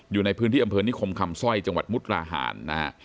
อยู่ในพื้นที่อำเภอนิคมคำสร้อยจังหวัดมุกราหารนะฮะ